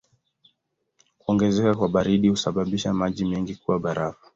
Kuongezeka kwa baridi husababisha maji mengi kuwa barafu.